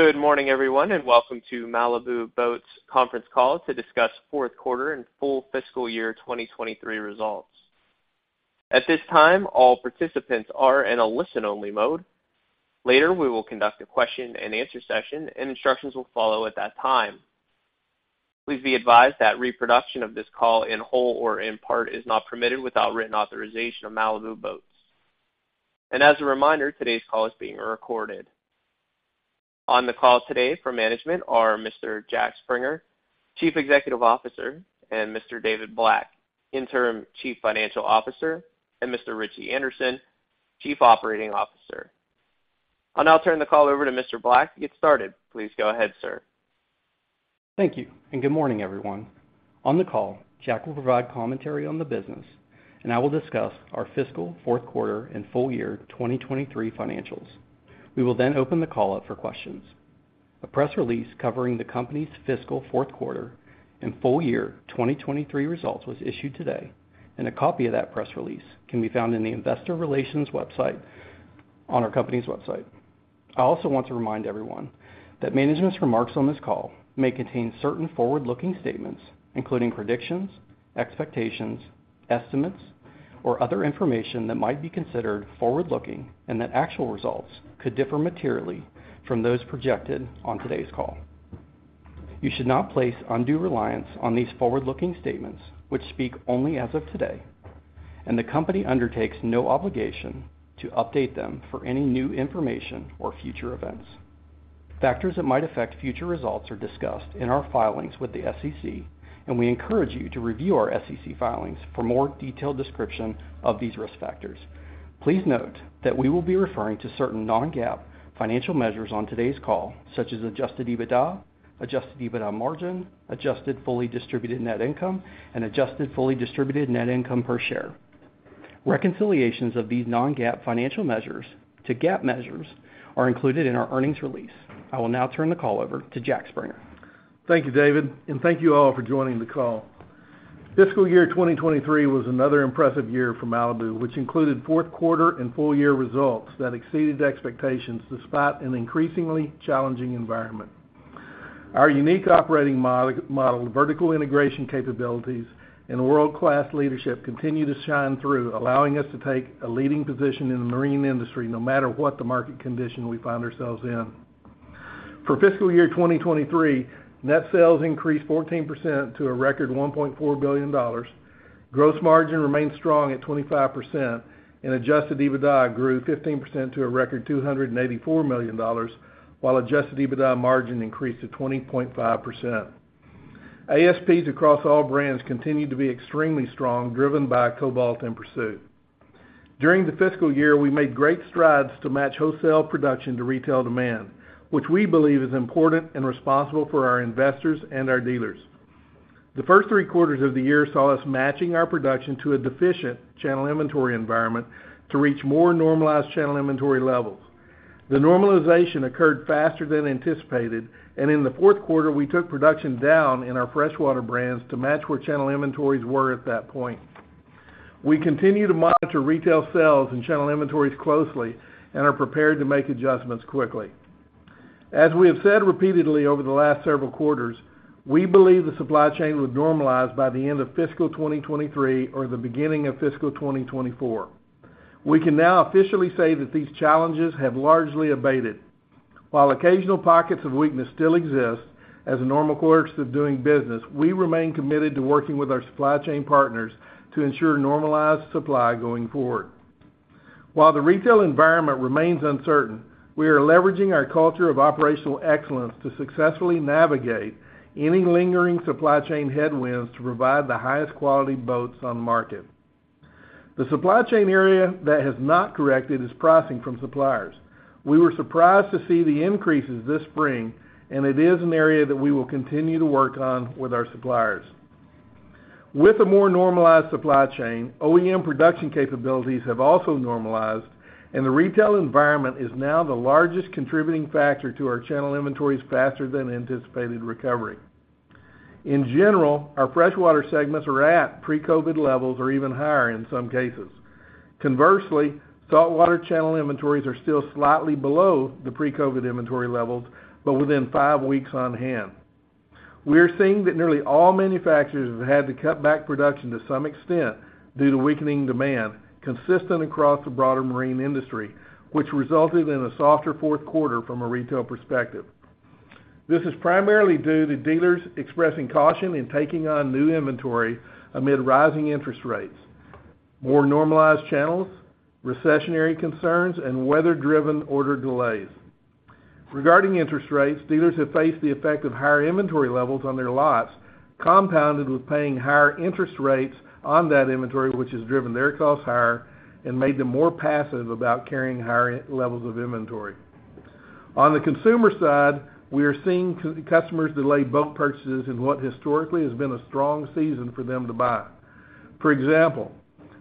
Good morning, everyone, and welcome to Malibu Boats conference call to discuss fourth quarter and full fiscal year 2023 results. At this time, all participants are in a listen-only mode. Later, we will conduct a question-and-answer session, and instructions will follow at that time. Please be advised that reproduction of this call in whole or in part is not permitted without written authorization of Malibu Boats. As a reminder, today's call is being recorded. On the call today for management are Mr. Jack Springer, Chief Executive Officer, and Mr. David Black, Interim Chief Financial Officer, and Mr. Ritchie Anderson, Chief Operating Officer. I'll now turn the call over to Mr. Black to get started. Please go ahead, sir. Thank you, and good morning, everyone. On the call, Jack will provide commentary on the business, and I will discuss our fiscal fourth quarter and full year 2023 financials. We will then open the call up for questions. A press release covering the company's fiscal fourth quarter and full year 2023 results was issued today, and a copy of that press release can be found in the investor relations website on our company's website. I also want to remind everyone that management's remarks on this call may contain certain forward-looking statements, including predictions, expectations, estimates, or other information that might be considered forward-looking, and that actual results could differ materially from those projected on today's call. You should not place undue reliance on these forward-looking statements, which speak only as of today, and the company undertakes no obligation to update them for any new information or future events. Factors that might affect future results are discussed in our filings with the SEC, and we encourage you to review our SEC filings for more detailed description of these risk factors. Please note that we will be referring to certain non-GAAP financial measures on today's call, such as Adjusted EBITDA, Adjusted EBITDA margin, Adjusted fully distributed net income, and Adjusted fully distributed net income per share. Reconciliations of these non-GAAP financial measures to GAAP measures are included in our earnings release. I will now turn the call over to Jack Springer. Thank you, David, and thank you all for joining the call. Fiscal year 2023 was another impressive year for Malibu, which included fourth quarter and full year results that exceeded expectations despite an increasingly challenging environment. Our unique operating model, vertical integration capabilities, and world-class leadership continue to shine through, allowing us to take a leading position in the marine industry, no matter what the market condition we find ourselves in. For fiscal year 2023, net sales increased 14% to a record $1.4 billion. Gross margin remained strong at 25%, and adjusted EBITDA grew 15% to a record $284 million, while adjusted EBITDA margin increased to 20.5%. ASPs across all brands continued to be extremely strong, driven by Cobalt and Pursuit. During the fiscal year, we made great strides to match wholesale production to retail demand, which we believe is important and responsible for our investors and our dealers. The first three quarters of the year saw us matching our production to a deficient channel inventory environment to reach more normalized channel inventory levels. The normalization occurred faster than anticipated, and in the fourth quarter, we took production down in our freshwater brands to match where channel inventories were at that point. We continue to monitor retail sales and channel inventories closely and are prepared to make adjustments quickly. As we have said repeatedly over the last several quarters, we believe the supply chain would normalize by the end of fiscal 2023 or the beginning of fiscal 2024. We can now officially say that these challenges have largely abated. While occasional pockets of weakness still exist as a normal course of doing business, we remain committed to working with our supply chain partners to ensure normalized supply going forward. While the retail environment remains uncertain, we are leveraging our culture of operational excellence to successfully navigate any lingering supply chain headwinds to provide the highest quality boats on the market. The supply chain area that has not corrected is pricing from suppliers. We were surprised to see the increases this spring, and it is an area that we will continue to work on with our suppliers. With a more normalized supply chain, OEM production capabilities have also normalized, and the retail environment is now the largest contributing factor to our channel inventories faster than anticipated recovery. In general, our freshwater segments are at pre-COVID levels or even higher in some cases. Conversely, saltwater channel inventories are still slightly below the pre-COVID inventory levels, but within 5 weeks on hand. We are seeing that nearly all manufacturers have had to cut back production to some extent due to weakening demand, consistent across the broader marine industry, which resulted in a softer fourth quarter from a retail perspective. This is primarily due to dealers expressing caution in taking on new inventory amid rising interest rates, more normalized channels, recessionary concerns, and weather-driven order delays. Regarding interest rates, dealers have faced the effect of higher inventory levels on their lots, compounded with paying higher interest rates on that inventory, which has driven their costs higher and made them more passive about carrying higher levels of inventory. On the consumer side, we are seeing customers delay boat purchases in what historically has been a strong season for them to buy. For example,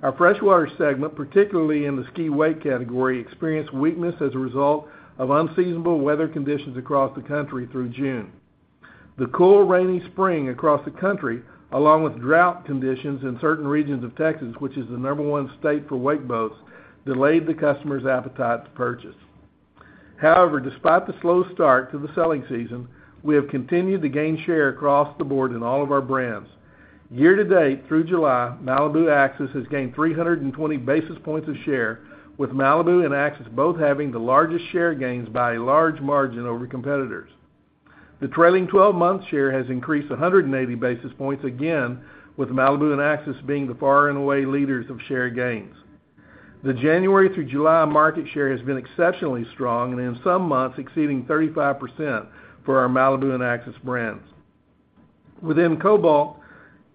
our freshwater segment, particularly in the ski/wake category, experienced weakness as a result of unseasonable weather conditions across the country through June. The cool, rainy spring across the country, along with drought conditions in certain regions of Texas, which is the number one state for wake boats, delayed the customers' appetite to purchase. However, despite the slow start to the selling season, we have continued to gain share across the board in all of our brands. Year-to-date, through July, Malibu Axis has gained 320 basis points of share, with Malibu and Axis both having the largest share gains by a large margin over competitors. The trailing twelve-month share has increased 180 basis points, again, with Malibu and Axis being the far and away leaders of share gains. The January through July market share has been exceptionally strong, and in some months, exceeding 35% for our Malibu and Axis brands. Within Cobalt,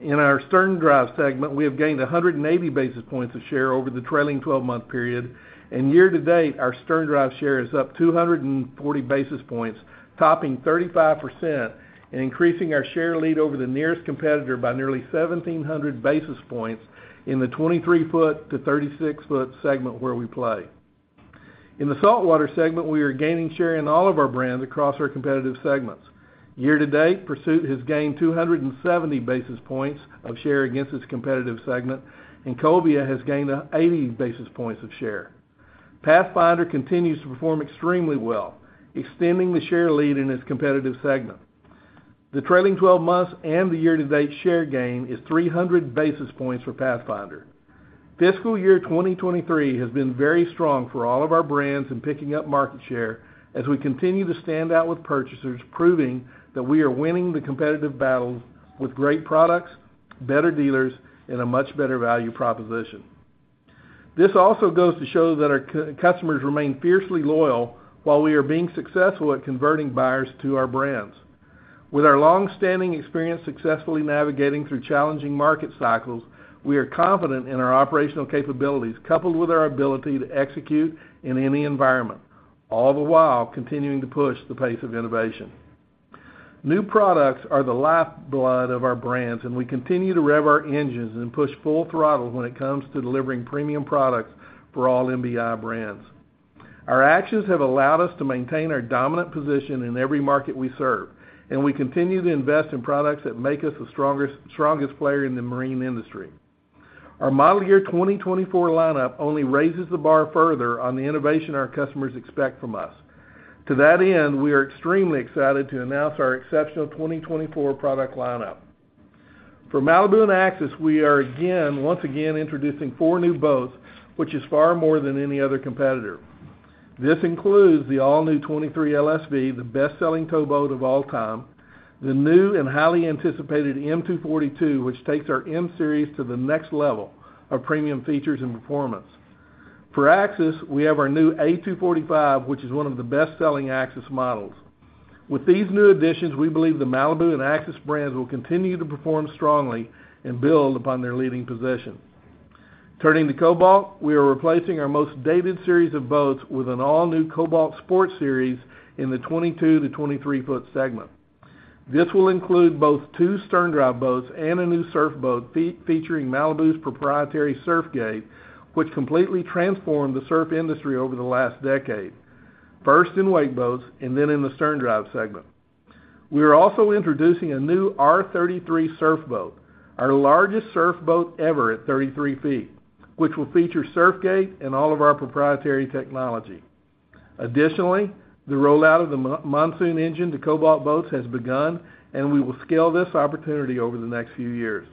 in our sterndrive segment, we have gained 180 basis points of share over the trailing twelve-month period, and year-to-date, our sterndrive share is up 240 basis points, topping 35% and increasing our share lead over the nearest competitor by nearly 1,700 basis points in the 23-foot to 36-foot segment where we play. In the saltwater segment, we are gaining share in all of our brands across our competitive segments. Year-to-date, Pursuit has gained 270 basis points of share against its competitive segment, and Cobia has gained 80 basis points of share. Pathfinder continues to perform extremely well, extending the share lead in its competitive segment. The trailing twelve months and the year-to-date share gain is 300 basis points for Pathfinder. Fiscal year 2023 has been very strong for all of our brands in picking up market share as we continue to stand out with purchasers, proving that we are winning the competitive battles with great products, better dealers, and a much better value proposition. This also goes to show that our customers remain fiercely loyal while we are being successful at converting buyers to our brands. With our long-standing experience successfully navigating through challenging market cycles, we are confident in our operational capabilities, coupled with our ability to execute in any environment, all the while continuing to push the pace of innovation. New products are the lifeblood of our brands, and we continue to rev our engines and push full throttle when it comes to delivering premium products for all MBI brands. Our actions have allowed us to maintain our dominant position in every market we serve, and we continue to invest in products that make us the strongest, strongest player in the marine industry. Our model year 2024 lineup only raises the bar further on the innovation our customers expect from us. To that end, we are extremely excited to announce our exceptional 2024 product lineup. For Malibu and Axis, we are again, once again introducing 4 new boats, which is far more than any other competitor. This includes the all-new 23 LSV, the best-selling towboat of all time, the new and highly anticipated M242, which takes our M-Series to the next level of premium features and performance. For Axis, we have our new A245, which is one of the best-selling Axis models. With these new additions, we believe the Malibu and Axis brands will continue to perform strongly and build upon their leading position. Turning to Cobalt, we are replacing our most dated series of boats with an all-new Cobalt Sport Series in the 22-23 foot segment. This will include both two sterndrive boats and a new surf boat featuring Malibu's proprietary Surf Gate, which completely transformed the surf industry over the last decade, first in wake boats and then in the sterndrive segment. We are also introducing a new R33 surf boat, our largest surf boat ever at 33 feet, which will feature Surf Gate and all of our proprietary technology. Additionally, the rollout of the Monsoon engine to Cobalt boats has begun, and we will scale this opportunity over the next few years.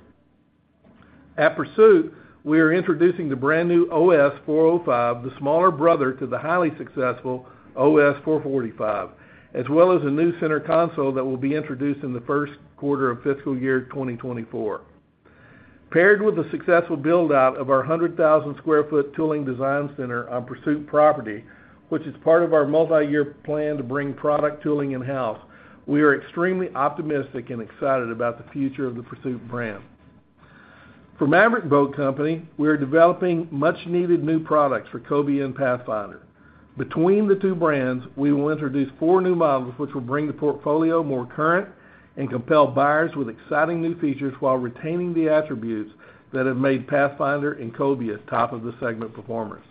At Pursuit, we are introducing the brand-new OS405, the smaller brother to the highly successful OS445, as well as a new center console that will be introduced in the first quarter of fiscal year 2024. Paired with the successful build-out of our 100,000 sq ft tooling design center on Pursuit property, which is part of our multiyear plan to bring product tooling in-house, we are extremely optimistic and excited about the future of the Pursuit brand. For Maverick Boat Company, we are developing much-needed new products for Cobia and Pathfinder. Between the two brands, we will introduce four new models, which will bring the portfolio more current and compel buyers with exciting new features while retaining the attributes that have made Pathfinder and Cobia top-of-the-segment performers.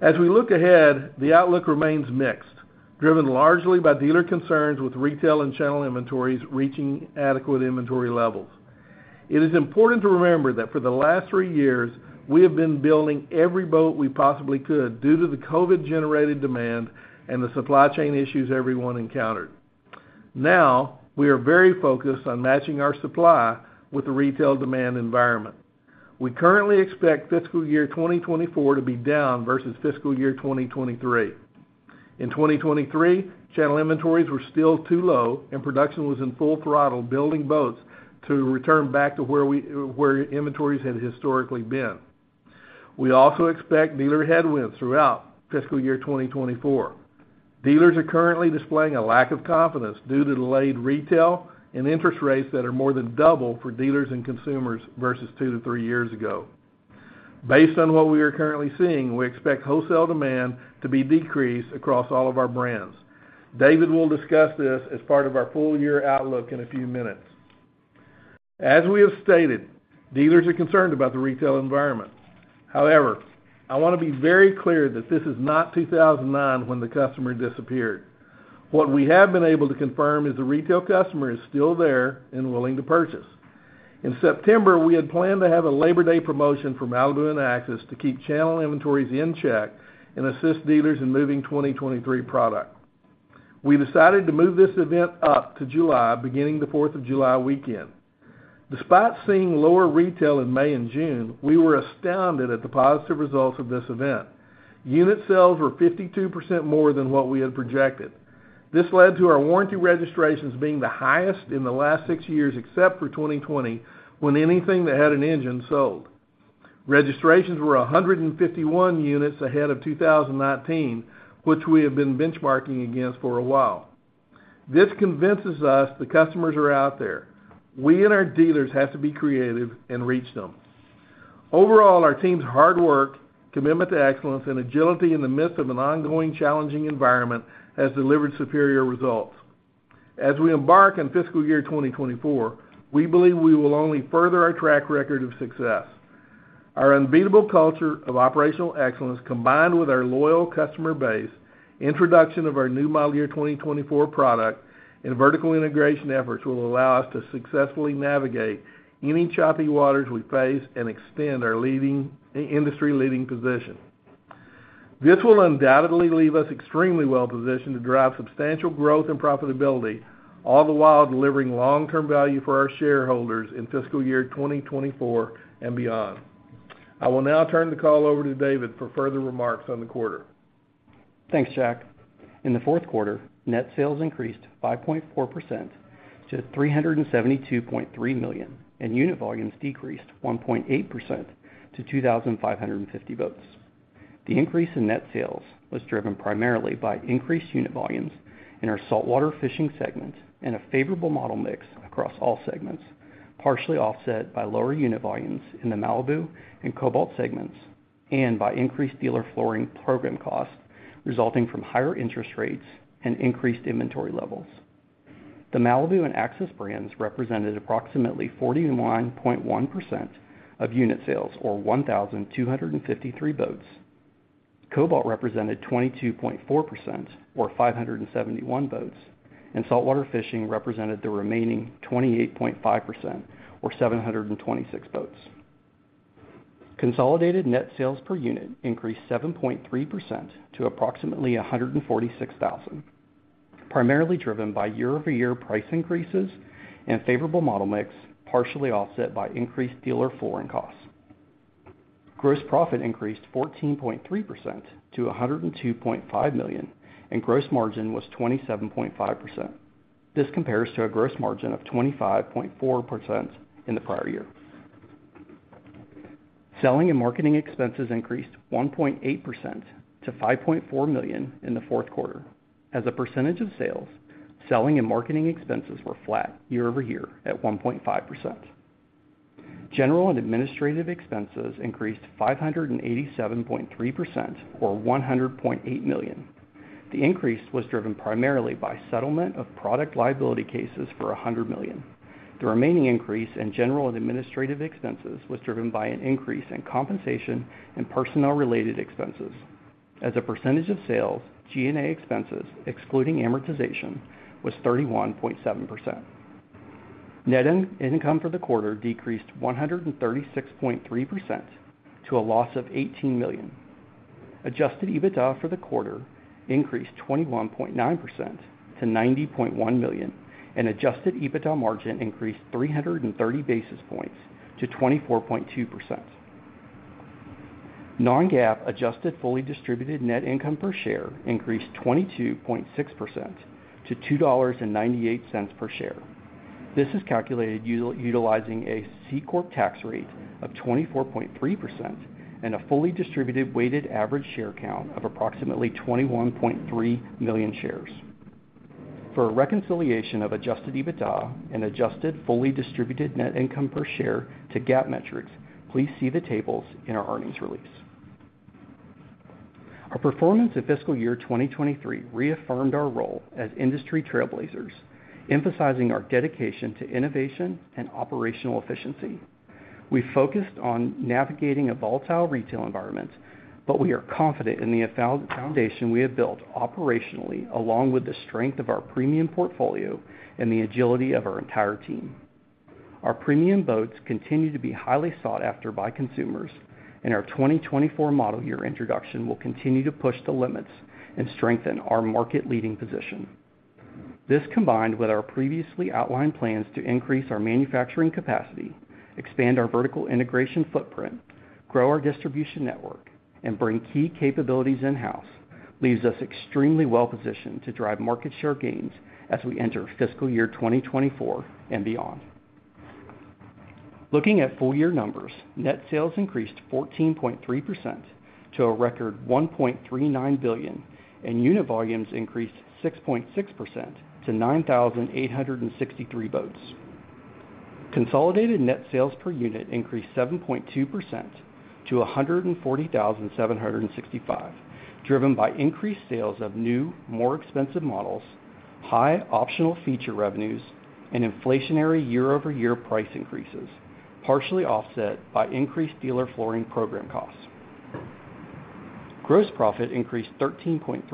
As we look ahead, the outlook remains mixed, driven largely by dealer concerns with retail and channel inventories reaching adequate inventory levels. It is important to remember that for the last 3 years, we have been building every boat we possibly could due to the COVID-generated demand and the supply chain issues everyone encountered. Now, we are very focused on matching our supply with the retail demand environment. We currently expect fiscal year 2024 to be down versus fiscal year 2023. In 2023, channel inventories were still too low and production was in full throttle, building boats to return back to where inventories had historically been. We also expect dealer headwinds throughout fiscal year 2024. Dealers are currently displaying a lack of confidence due to delayed retail and interest rates that are more than double for dealers and consumers versus 2-3 years ago. Based on what we are currently seeing, we expect wholesale demand to be decreased across all of our brands. David will discuss this as part of our full year outlook in a few minutes. As we have stated, dealers are concerned about the retail environment. However, I want to be very clear that this is not 2009 when the customer disappeared. What we have been able to confirm is the retail customer is still there and willing to purchase. In September, we had planned to have a Labor Day promotion for Malibu and Axis to keep channel inventories in check and assist dealers in moving 2023 product. We decided to move this event up to July, beginning the Fourth of July weekend. Despite seeing lower retail in May and June, we were astounded at the positive results of this event. Unit sales were 52% more than what we had projected. This led to our warranty registrations being the highest in the last six years, except for 2020, when anything that had an engine sold. Registrations were 151 units ahead of 2019, which we have been benchmarking against for a while. This convinces us the customers are out there. We and our dealers have to be creative and reach them. Overall, our team's hard work, commitment to excellence, and agility in the midst of an ongoing challenging environment has delivered superior results. As we embark on fiscal year 2024, we believe we will only further our track record of success. Our unbeatable culture of operational excellence, combined with our loyal customer base, introduction of our new model year 2024 product, and vertical integration efforts, will allow us to successfully navigate any choppy waters we face and extend our leading industry-leading position. This will undoubtedly leave us extremely well-positioned to drive substantial growth and profitability, all the while delivering long-term value for our shareholders in fiscal year 2024 and beyond. I will now turn the call over to David for further remarks on the quarter. Thanks, Jack. In the fourth quarter, net sales increased 5.4% to $372.3 million, and unit volumes decreased 1.8% to 2,550 boats. The increase in net sales was driven primarily by increased unit volumes in our saltwater fishing segment and a favorable model mix across all segments, partially offset by lower unit volumes in the Malibu and Cobalt segments, and by increased dealer flooring program costs, resulting from higher interest rates and increased inventory levels. The Malibu and Axis brands represented approximately 41.1% of unit sales, or 1,253 boats. Cobalt represented 22.4%, or 571 boats, and saltwater fishing represented the remaining 28.5%, or 726 boats. Consolidated net sales per unit increased 7.3% to approximately $146,000, primarily driven by year-over-year price increases and favorable model mix, partially offset by increased dealer flooring costs. Gross profit increased 14.3% to $102.5 million, and gross margin was 27.5%. This compares to a gross margin of 25.4% in the prior year. Selling and marketing expenses increased 1.8% to $5.4 million in the fourth quarter. As a percentage of sales, selling and marketing expenses were flat year-over-year at 1.5%. General and administrative expenses increased 587.3%, or $100.8 million. The increase was driven primarily by settlement of product liability cases for $100 million. The remaining increase in general and administrative expenses was driven by an increase in compensation and personnel-related expenses. As a percentage of sales, G&A expenses, excluding amortization, was 31.7%. Net income for the quarter decreased 136.3% to a loss of $18 million. Adjusted EBITDA for the quarter increased 21.9% to $90.1 million, and adjusted EBITDA margin increased 330 basis points to 24.2%. Non-GAAP adjusted fully distributed net income per share increased 22.6% to $2.98 per share. This is calculated utilizing a C Corp tax rate of 24.3% and a fully distributed weighted average share count of approximately 21.3 million shares. For a reconciliation of adjusted EBITDA and adjusted fully distributed net income per share to GAAP metrics, please see the tables in our earnings release. Our performance in fiscal year 2023 reaffirmed our role as industry trailblazers, emphasizing our dedication to innovation and operational efficiency. We focused on navigating a volatile retail environment, but we are confident in the foundation we have built operationally, along with the strength of our premium portfolio and the agility of our entire team. Our premium boats continue to be highly sought after by consumers, and our 2024 model year introduction will continue to push the limits and strengthen our market-leading position. This, combined with our previously outlined plans to increase our manufacturing capacity, expand our vertical integration footprint, grow our distribution network, and bring key capabilities in-house, leaves us extremely well positioned to drive market share gains as we enter fiscal year 2024 and beyond. Looking at full year numbers, net sales increased 14.3% to a record $1.39 billion, and unit volumes increased 6.6% to 9,863 boats. Consolidated net sales per unit increased 7.2% to $140,765, driven by increased sales of new, more expensive models, high optional feature revenues, and inflationary year-over-year price increases, partially offset by increased dealer flooring program costs. Gross profit increased 13.3%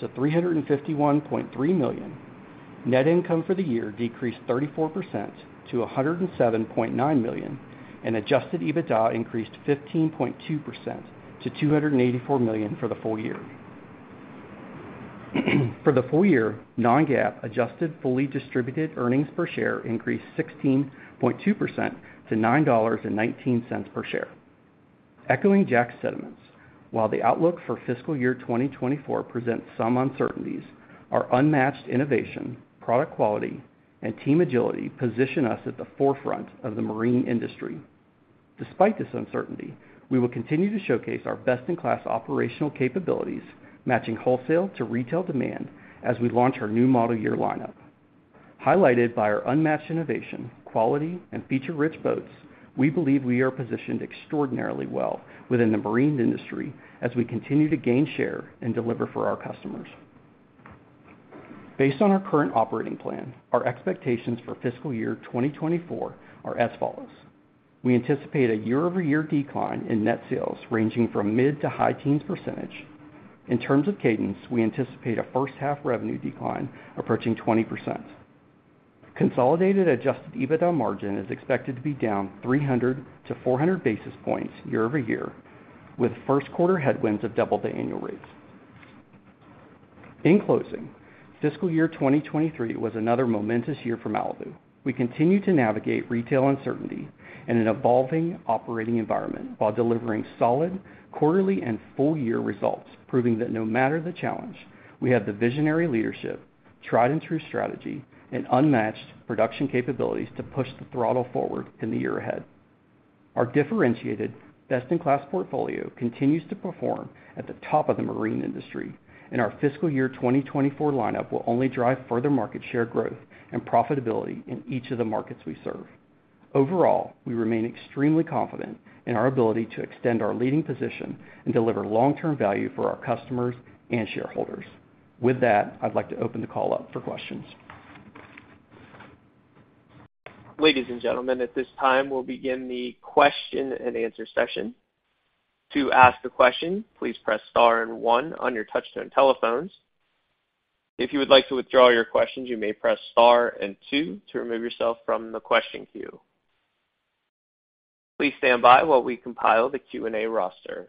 to $351.3 million. Net income for the year decreased 34% to $107.9 million, and adjusted EBITDA increased 15.2% to $284 million for the full year. For the full year, non-GAAP adjusted fully distributed earnings per share increased 16.2% to $9.19 per share. Echoing Jack's sentiments, while the outlook for fiscal year 2024 presents some uncertainties, our unmatched innovation, product quality, and team agility position us at the forefront of the marine industry. Despite this uncertainty, we will continue to showcase our best-in-class operational capabilities, matching wholesale to retail demand as we launch our new model year lineup. Highlighted by our unmatched innovation, quality, and feature-rich boats, we believe we are positioned extraordinarily well within the marine industry as we continue to gain share and deliver for our customers. Based on our current operating plan, our expectations for fiscal year 2024 are as follows: We anticipate a year-over-year decline in net sales ranging from mid- to high-teens %. In terms of cadence, we anticipate a first half revenue decline approaching 20%. Consolidated adjusted EBITDA margin is expected to be down 300-400 basis points year-over-year, with first quarter headwinds of double the annual rates. In closing, fiscal year 2023 was another momentous year for Malibu. We continue to navigate retail uncertainty in an evolving operating environment while delivering solid quarterly and full-year results, proving that no matter the challenge, we have the visionary leadership, tried-and-true strategy, and unmatched production capabilities to push the throttle forward in the year ahead. Our differentiated best-in-class portfolio continues to perform at the top of the marine industry, and our fiscal year 2024 lineup will only drive further market share growth and profitability in each of the markets we serve. Overall, we remain extremely confident in our ability to extend our leading position and deliver long-term value for our customers and shareholders. With that, I'd like to open the call up for questions. Ladies and gentlemen, at this time, we'll begin the question-and-answer session. To ask a question, please press star and one on your touchtone telephones. If you would like to withdraw your questions, you may press star and two to remove yourself from the question queue. Please stand by while we compile the Q&A roster.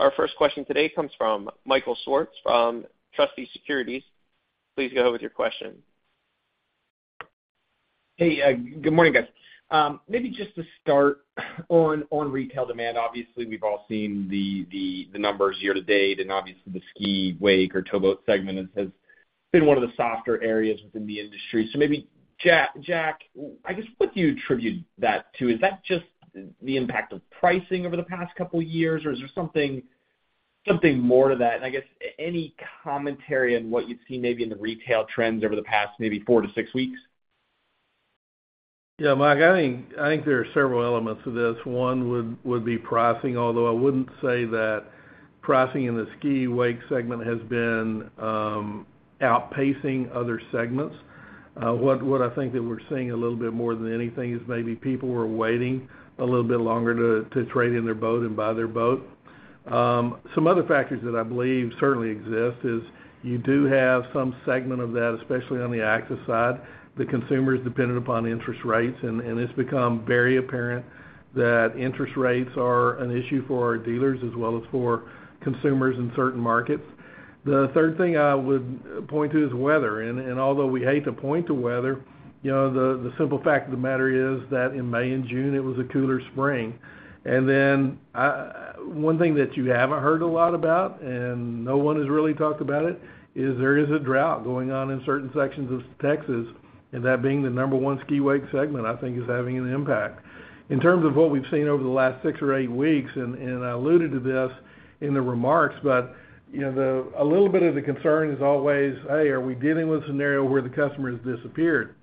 Our first question today comes from Michael Swartz from Truist Securities. Please go with your question. Hey, good morning, guys. Maybe just to start on retail demand. Obviously, we've all seen the numbers year to date, and obviously, the ski, wake, or towboat segment has been one of the softer areas within the industry. So maybe, Jack, I guess, what do you attribute that to? Is that just the impact of pricing over the past couple of years, or is there something more to that? And I guess, any commentary on what you've seen maybe in the retail trends over the past maybe four to six weeks? Yeah, Mike, I think, I think there are several elements to this. One would, would be pricing, although I wouldn't say that pricing in the ski, wake segment has been outpacing other segments. What I think that we're seeing a little bit more than anything is maybe people were waiting a little bit longer to trade in their boat and buy their boat. Some other factors that I believe certainly exist is you do have some segment of that, especially on the Axis side, the consumer is dependent upon interest rates, and it's become very apparent that interest rates are an issue for our dealers, as well as for consumers in certain markets. The third thing I would point to is weather. And although we hate to point to weather, you know, the simple fact of the matter is that in May and June, it was a cooler spring. And then, one thing that you haven't heard a lot about, and no one has really talked about it, is there is a drought going on in certain sections of Texas, and that being the number one ski/wake segment, I think is having an impact. In terms of what we've seen over the last 6 or 8 weeks, and I alluded to this in the remarks, but, you know, a little bit of the concern is always, hey, are we dealing with a scenario where the customer has disappeared?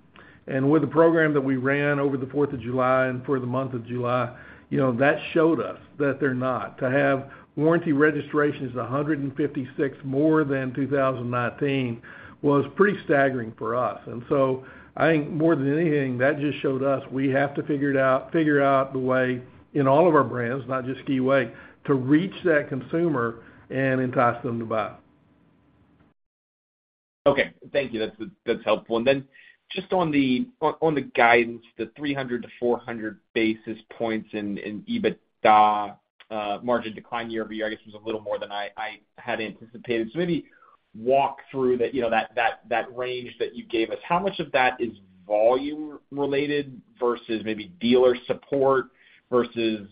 And with the program that we ran over the Fourth of July and for the month of July, you know, that showed us that they're not. To have warranty registrations 156 more than 2019 was pretty staggering for us. And so I think more than anything, that just showed us we have to figure out the way in all of our brands, not just Ski Wake, to reach that consumer and entice them to buy. Okay. Thank you. That's, that's helpful. And then just on the, on, on the guidance, the 300-400 basis points in, in EBITDA margin decline year-over-year, I guess, was a little more than I, I had anticipated. So maybe walk through that, you know, that, that, that range that you gave us. How much of that is volume-related versus maybe dealer support, versus,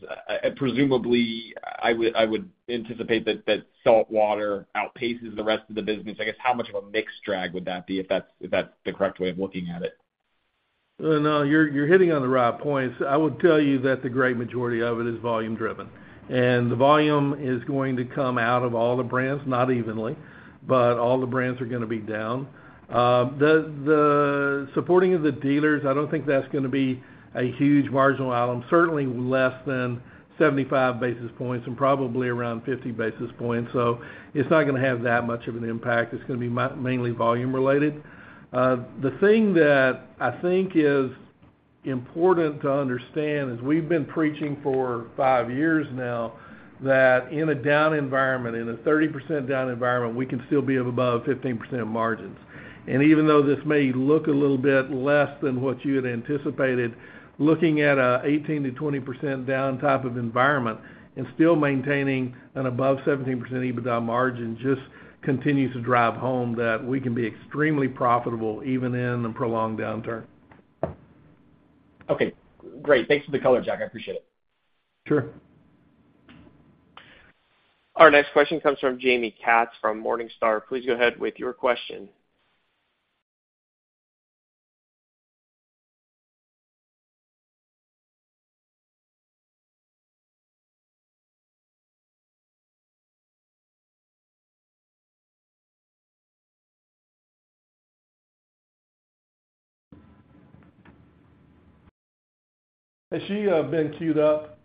presumably, I would, I would anticipate that that saltwater outpaces the rest of the business. I guess, how much of a mix drag would that be, if that's, if that's the correct way of looking at it?... No, you're, you're hitting on the right points. I would tell you that the great majority of it is volume driven, and the volume is going to come out of all the brands, not evenly, but all the brands are gonna be down. The, the supporting of the dealers, I don't think that's gonna be a huge marginal item, certainly less than 75 basis points and probably around 50 basis points. So it's not gonna have that much of an impact. It's gonna be mainly volume related. The thing that I think is important to understand is we've been preaching for five years now that in a down environment, in a 30% down environment, we can still be above 15% margins. Even though this may look a little bit less than what you had anticipated, looking at an 18%-20% down type of environment and still maintaining an above 17% EBITDA margin, just continues to drive home that we can be extremely profitable even in a prolonged downturn. Okay, great. Thanks for the color, Jack. I appreciate it. Sure. Our next question comes from Jamie Katz from Morningstar. Please go ahead with your question. Has she been queued up?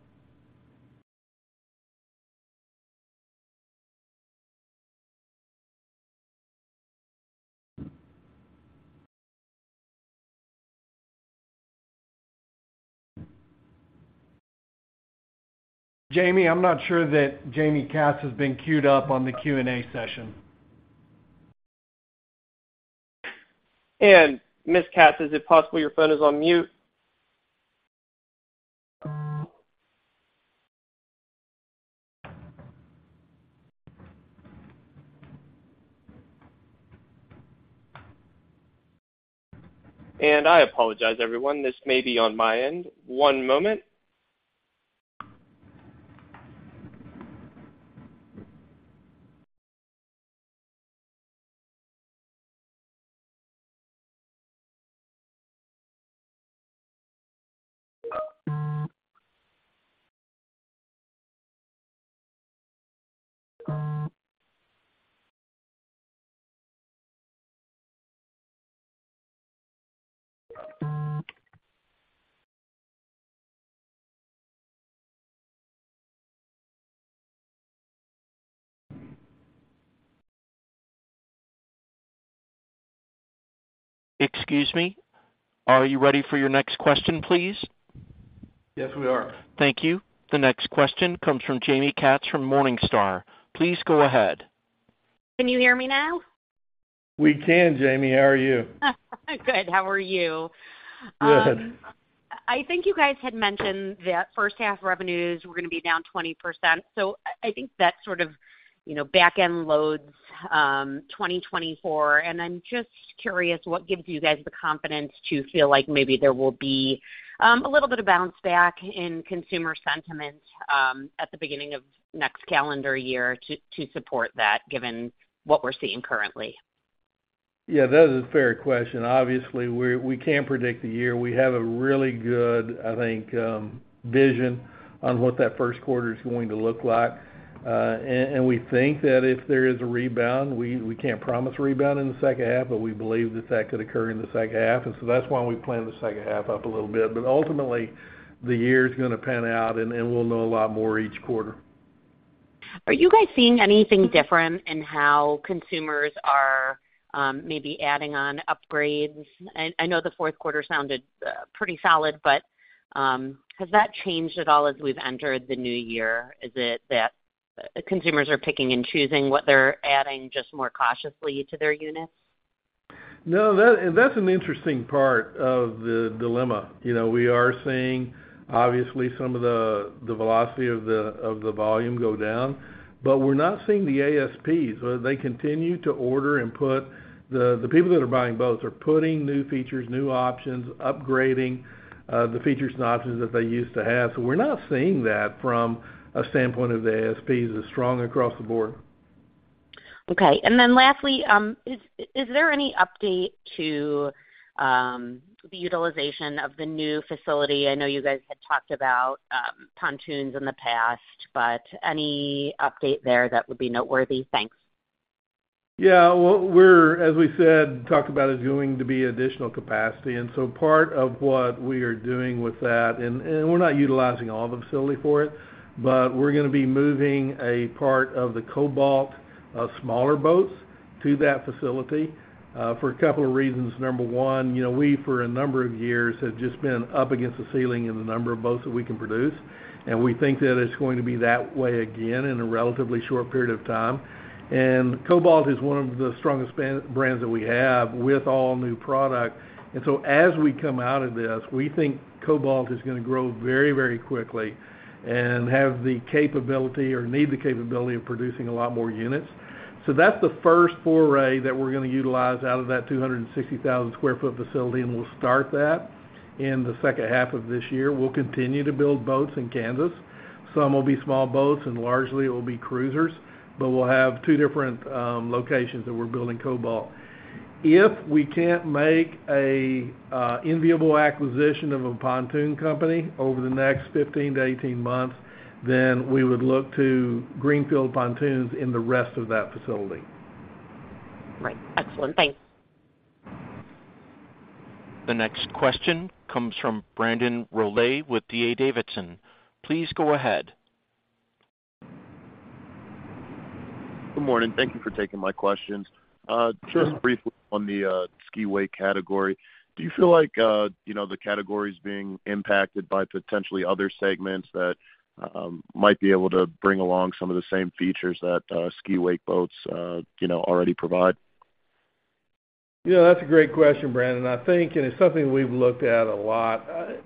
Jamie, I'm not sure that Jamie Katz has been queued up on the Q&A session. Ms. Katz, is it possible your phone is on mute? I apologize, everyone. This may be on my end. One moment. Excuse me. Are you ready for your next question, please? Yes, we are. Thank you. The next question comes from Jamie Katz from Morningstar. Please go ahead. Can you hear me now? We can, Jamie. How are you? Good. How are you? Good. I think you guys had mentioned that first half revenues were gonna be down 20%. So I think that sort of, you know, back-end loads 2024, and I'm just curious, what gives you guys the confidence to feel like maybe there will be a little bit of bounce back in consumer sentiment at the beginning of next calendar year to support that, given what we're seeing currently? Yeah, that is a fair question. Obviously, we, we can't predict the year. We have a really good, I think, vision on what that first quarter is going to look like. And, and we think that if there is a rebound, we, we can't promise a rebound in the second half, but we believe that, that could occur in the second half, and so that's why we planned the second half up a little bit. But ultimately, the year is gonna pan out, and, and we'll know a lot more each quarter. Are you guys seeing anything different in how consumers are maybe adding on upgrades? I know the fourth quarter sounded pretty solid, but has that changed at all as we've entered the new year? Is it that consumers are picking and choosing what they're adding just more cautiously to their units? No, that's an interesting part of the dilemma. You know, we are seeing, obviously, some of the velocity of the volume go down, but we're not seeing the ASPs. They continue to order and put. The people that are buying boats are putting new features, new options, upgrading the features and options that they used to have. So we're not seeing that from a standpoint of the ASPs as strong across the board. Okay. And then lastly, is there any update to the utilization of the new facility? I know you guys had talked about pontoons in the past, but any update there that would be noteworthy? Thanks. Yeah, well, we're, as we said, talked about is going to be additional capacity, and so part of what we are doing with that, and, and we're not utilizing all the facility for it, but we're gonna be moving a part of the Cobalt smaller boats to that facility for a couple of reasons. Number one, you know, we, for a number of years, have just been up against the ceiling in the number of boats that we can produce, and we think that it's going to be that way again in a relatively short period of time. And Cobalt is one of the strongest brands that we have with all-new product. And so as we come out of this, we think Cobalt is gonna grow very, very quickly and have the capability or need the capability of producing a lot more units. So that's the first foray that we're gonna utilize out of that 260,000 sq ft facility, and we'll start that in the second half of this year. We'll continue to build boats in Kansas. Some will be small boats, and largely it will be cruisers, but we'll have two different locations that we're building Cobalt.... If we can't make a enviable acquisition of a pontoon company over the next 15-18 months, then we would look to greenfield pontoons in the rest of that facility. Right. Excellent. Thanks. The next question comes from Brandon Rolle with D.A. Davidson. Please go ahead. Good morning. Thank you for taking my questions. Sure. Just briefly on the ski/wake category, do you feel like, you know, the category is being impacted by potentially other segments that might be able to bring along some of the same features that ski/wake boats, you know, already provide? Yeah, that's a great question, Brandon. I think, and it's something we've looked at a lot.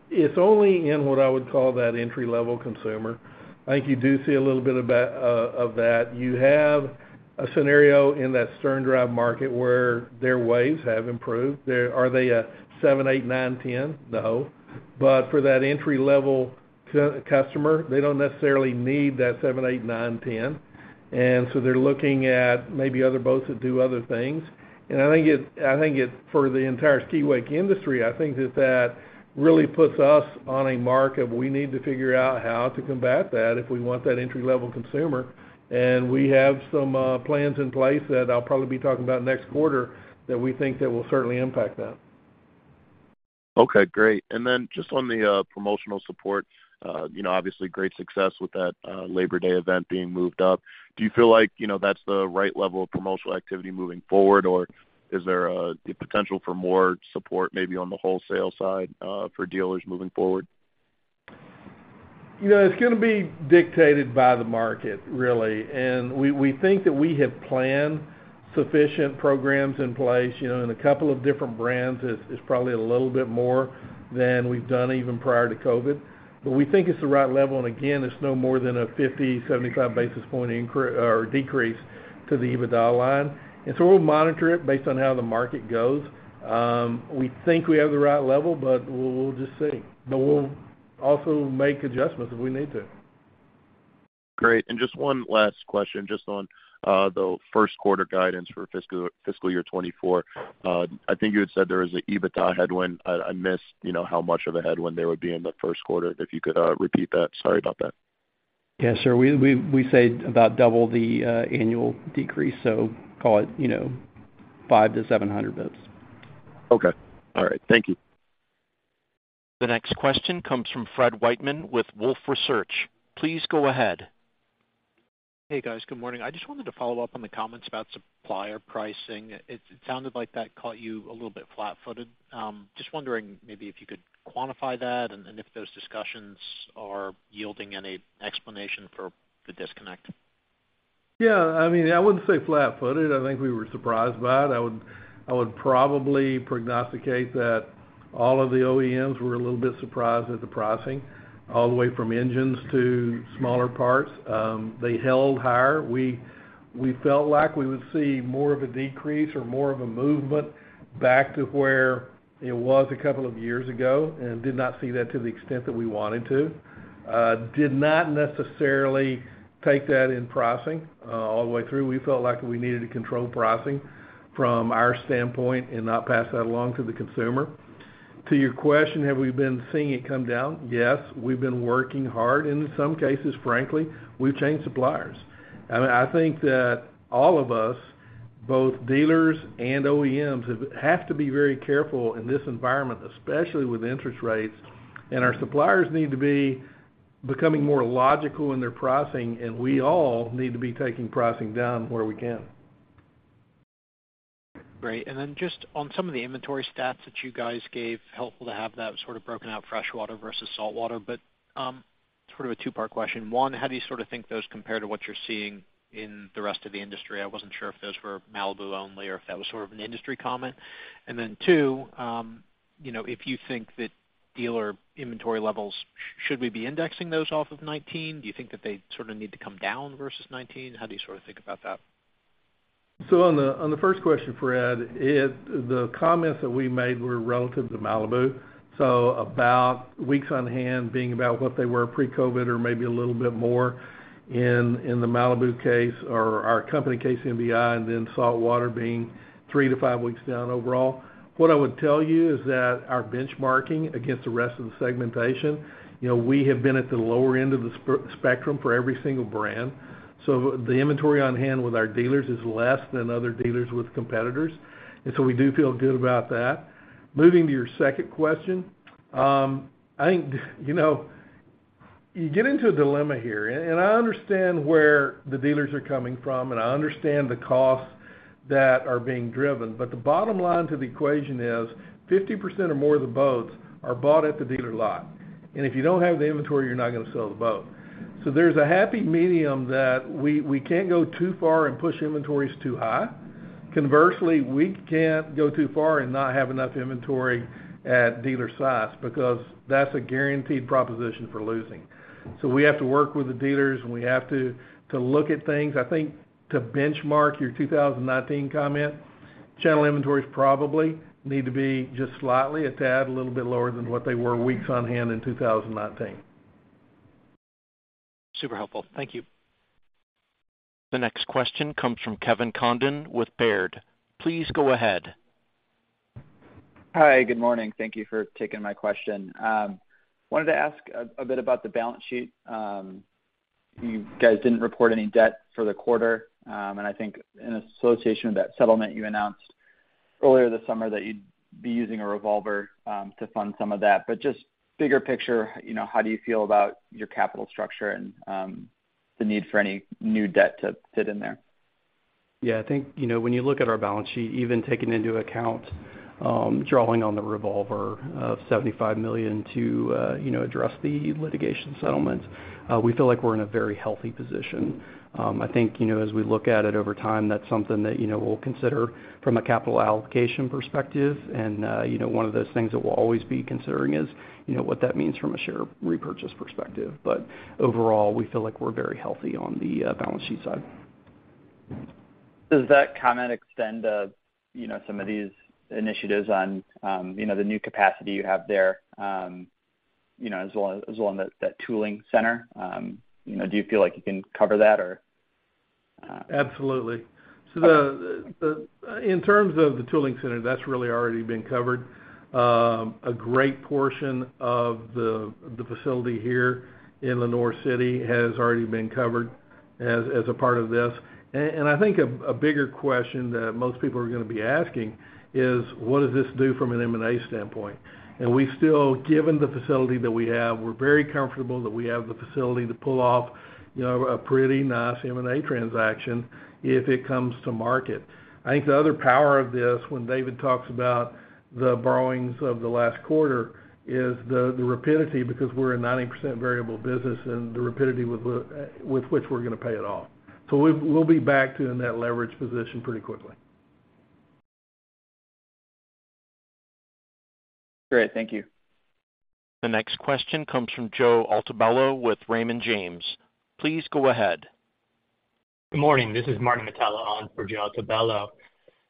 It's only in what I would call that entry-level consumer. I think you do see a little bit of that, of that. You have a scenario in that sterndrive market where their waves have improved. Are they a 7, 8, 9, 10? No. But for that entry-level customer, they don't necessarily need that 7, 8, 9, 10, and so they're looking at maybe other boats that do other things. I think it for the entire ski/wake industry. I think that really puts us on a mark of we need to figure out how to combat that if we want that entry-level consumer, and we have some plans in place that I'll probably be talking about next quarter that we think that will certainly impact that. Okay, great. And then just on the promotional support, you know, obviously, great success with that, Labor Day event being moved up. Do you feel like, you know, that's the right level of promotional activity moving forward, or is there the potential for more support, maybe on the wholesale side, for dealers moving forward? You know, it's gonna be dictated by the market, really. We think that we have planned sufficient programs in place, you know, in a couple of different brands. It's probably a little bit more than we've done even prior to COVID, but we think it's the right level. And again, it's no more than a 50-75 basis points increase or decrease to the EBITDA line, and so we'll monitor it based on how the market goes. We think we have the right level, but we'll just see. But we'll also make adjustments if we need to. Great. And just one last question, just on, the first quarter guidance for fiscal, fiscal year 2024. I think you had said there was an EBITDA headwind. I, I missed, you know, how much of a headwind there would be in the first quarter, if you could, repeat that. Sorry about that. Yeah, sure. We said about double the annual decrease, so call it, you know, 500-700 basis. Okay. All right. Thank you. The next question comes from Fred Wightman with Wolfe Research. Please go ahead. Hey, guys. Good morning. I just wanted to follow up on the comments about supplier pricing. It sounded like that caught you a little bit flat-footed. Just wondering maybe if you could quantify that and if those discussions are yielding any explanation for the disconnect. Yeah, I mean, I wouldn't say flat-footed. I think we were surprised by it. I would, I would probably prognosticate that all of the OEMs were a little bit surprised at the pricing, all the way from engines to smaller parts. They held higher. We, we felt like we would see more of a decrease or more of a movement back to where it was a couple of years ago, and did not see that to the extent that we wanted to. Did not necessarily take that in pricing, all the way through. We felt like we needed to control pricing from our standpoint and not pass that along to the consumer. To your question, have we been seeing it come down? Yes, we've been working hard. In some cases, frankly, we've changed suppliers. I mean, I think that all of us, both dealers and OEMs, have to be very careful in this environment, especially with interest rates, and our suppliers need to be becoming more logical in their pricing, and we all need to be taking pricing down where we can. Great. And then just on some of the inventory stats that you guys gave, helpful to have that sort of broken out freshwater versus saltwater. But, sort of a two-part question. One, how do you sort of think those compare to what you're seeing in the rest of the industry? I wasn't sure if those were Malibu only, or if that was sort of an industry comment. And then, two, you know, if you think that dealer inventory levels, should we be indexing those off of 19? Do you think that they sort of need to come down versus 19? How do you sort of think about that? So on the first question, Fred, the comments that we made were relative to Malibu, so about weeks on hand being about what they were pre-COVID or maybe a little bit more in the Malibu case or our company case, MBI, and then saltwater being 3-5 weeks down overall. What I would tell you is that our benchmarking against the rest of the segmentation, you know, we have been at the lower end of the spectrum for every single brand, so the inventory on hand with our dealers is less than other dealers with competitors, and so we do feel good about that. Moving to your second question, I think, you know, you get into a dilemma here, and, and I understand where the dealers are coming from, and I understand the costs that are being driven, but the bottom line to the equation is 50% or more of the boats are bought at the dealer lot, and if you don't have the inventory, you're not gonna sell the boat. So there's a happy medium that we, we can't go too far and push inventories too high. Conversely, we can't go too far and not have enough inventory at dealer size, because that's a guaranteed proposition for losing. So we have to work with the dealers, and we have to, to look at things. I think to benchmark your 2019 comment, channel inventories probably need to be just slightly, a tad, a little bit lower than what they were weeks on hand in 2019. ...Super helpful. Thank you. The next question comes from Kevin Condon with Baird. Please go ahead. Hi, good morning. Thank you for taking my question. Wanted to ask a bit about the balance sheet. You guys didn't report any debt for the quarter. I think in association with that settlement, you announced earlier this summer that you'd be using a revolver to fund some of that. But just bigger picture, you know, how do you feel about your capital structure and the need for any new debt to fit in there? Yeah, I think, you know, when you look at our balance sheet, even taking into account, drawing on the revolver of $75 million to, you know, address the litigation settlement, we feel like we're in a very healthy position. I think, you know, as we look at it over time, that's something that, you know, we'll consider from a capital allocation perspective. And, you know, one of those things that we'll always be considering is, you know, what that means from a share repurchase perspective. But overall, we feel like we're very healthy on the, balance sheet side. Does that comment extend to, you know, some of these initiatives on, you know, the new capacity you have there, you know, as well, as well on that, that tooling center? You know, do you feel like you can cover that, or, Absolutely. So the, the in terms of the tooling center, that's really already been covered. A great portion of the, the facility here in Lenoir City has already been covered as, as a part of this. And, and I think a, a bigger question that most people are gonna be asking is: What does this do from an M&A standpoint? And we still, given the facility that we have, we're very comfortable that we have the facility to pull off, you know, a pretty nice M&A transaction if it comes to market. I think the other power of this, when David talks about the borrowings of the last quarter, is the, the rapidity, because we're a 90% variable business, and the rapidity with, with which we're gonna pay it off. So we'll be back to a net leverage position pretty quickly. Great. Thank you. The next question comes from Joe Altobello with Raymond James. Please go ahead. Good morning. This is Martin Micheli on for Joe Altobello.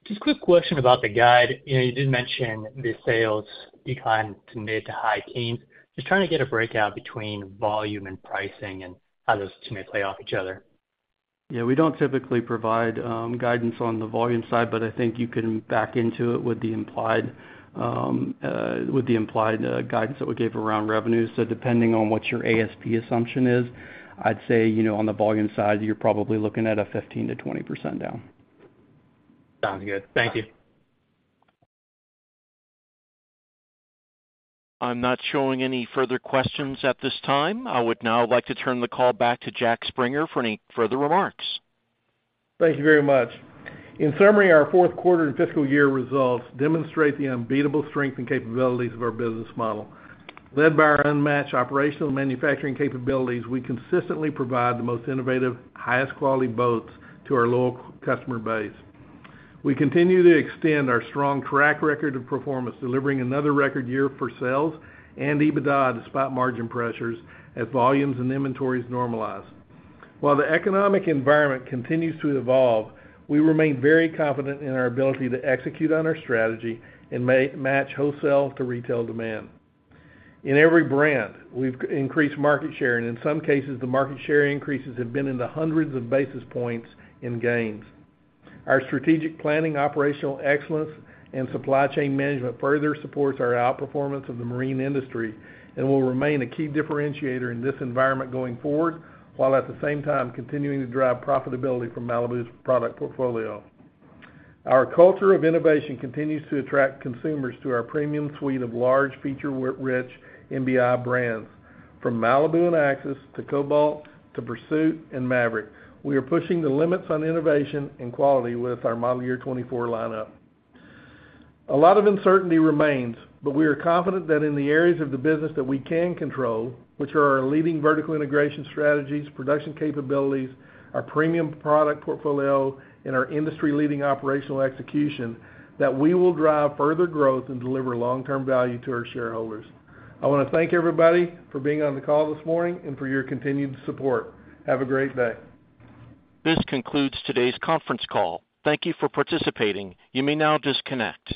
Just a quick question about the guide. You know, you did mention the sales declined to mid- to high-teens. Just trying to get a breakout between volume and pricing and how those two may play off each other. Yeah, we don't typically provide guidance on the volume side, but I think you can back into it with the implied guidance that we gave around revenue. So depending on what your ASP assumption is, I'd say, you know, on the volume side, you're probably looking at a 15%-20% down. Sounds good. Thank you. I'm not showing any further questions at this time. I would now like to turn the call back to Jack Springer for any further remarks. Thank you very much. In summary, our fourth quarter and fiscal year results demonstrate the unbeatable strength and capabilities of our business model. Led by our unmatched operational manufacturing capabilities, we consistently provide the most innovative, highest-quality boats to our loyal customer base. We continue to extend our strong track record of performance, delivering another record year for sales and EBITDA, despite margin pressures, as volumes and inventories normalize. While the economic environment continues to evolve, we remain very confident in our ability to execute on our strategy and match wholesale to retail demand. In every brand, we've increased market share, and in some cases, the market share increases have been in the hundreds of basis points in gains. Our strategic planning, operational excellence, and supply chain management further supports our outperformance of the marine industry and will remain a key differentiator in this environment going forward, while at the same time continuing to drive profitability from Malibu's product portfolio. Our culture of innovation continues to attract consumers to our premium suite of large, feature-rich MBI brands, from Malibu and Axis to Cobalt to Pursuit and Maverick. We are pushing the limits on innovation and quality with our model year 2024 lineup. A lot of uncertainty remains, but we are confident that in the areas of the business that we can control, which are our leading vertical integration strategies, production capabilities, our premium product portfolio, and our industry-leading operational execution, that we will drive further growth and deliver long-term value to our shareholders. I want to thank everybody for being on the call this morning and for your continued support. Have a great day. This concludes today's conference call. Thank you for participating. You may now disconnect.